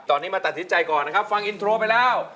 ตอนนี้มาตัดสินใจก่อนนะครับฟังอินโทรไปแล้ว